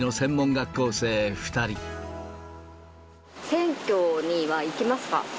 選挙には行きますか？